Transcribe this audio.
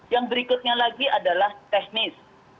yang berikutnya lagi adalah teknis